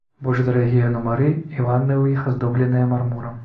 Больш дарагія нумары і ванны ў іх аздобленыя мармурам.